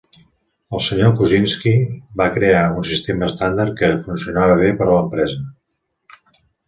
El senyor Kunczynski va crear un sistema estàndard que funcionava bé per a l'empresa.